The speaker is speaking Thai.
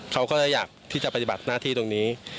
เขาก็เลยอยากที่จะปฏิบัติหน้าที่ตรงนี้